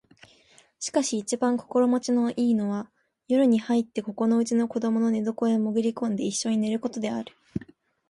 しかし一番心持ちの好いのは夜に入ってここのうちの子供の寝床へもぐり込んで一緒に寝る事である